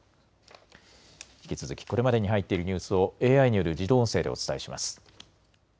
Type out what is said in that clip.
引き続きこれまでに入っているニュースをＡＩによる自動音声でお伝えします。